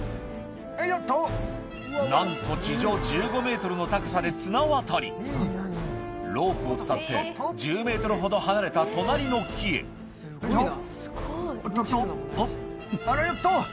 なんと地上１５ｍの高さで綱渡りロープを伝って１０ｍほど離れた隣の木へよっとっとおっあらよっと。